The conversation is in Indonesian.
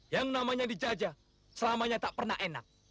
yang namanya dijajah selamanya tak pernah enak